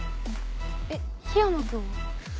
えっ緋山君は？